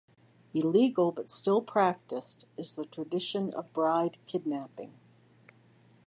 Illegal, but still practiced, is the tradition of bride kidnapping.